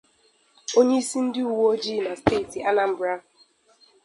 onyeisi ndị uweojii na steeti Anambra